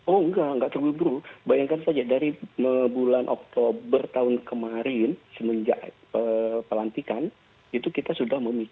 oh enggak enggak terburu buru bayangkan saja dari bulan oktober tahun kemarin semenjak pelantikan itu kita sudah memimpin